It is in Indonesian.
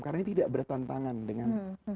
karena ini tidak bertantangan dengan